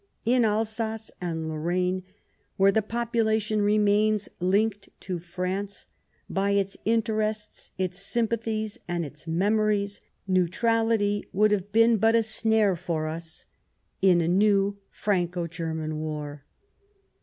In Alsace and Lorraine, where the population remains linked to France by its interests, its sympathies and its memories, neutrality would have been but a snare for us in a new Franco German War.